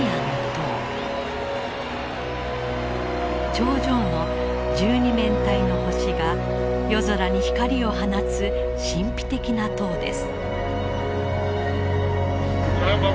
頂上の１２面体の星が夜空に光を放つ神秘的な塔です。